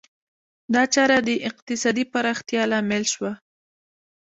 دا چاره د اقتصادي پراختیا لامل شوه.